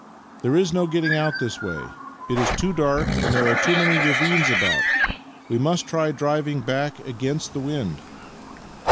"" There is no getting out this way; it is too dark, and there are too man}^ ravines about. W'e must try driving back against the wind."